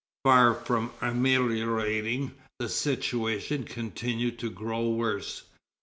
Far from ameliorating, the situation continued to grow worse.